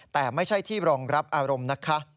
แต่ไม่ใช่ที่รองรับอารมณ์นะคะ